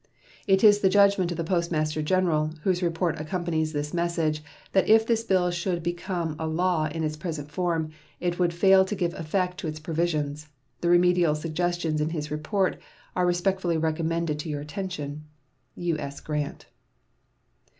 It is the judgment of the Postmaster General, whose report accompanies this message, that if this bill should become a law in its present form it would fail to give effect to its provisions. The remedial suggestions in his report are respectfully recommended to your attention, U.S. GRANT.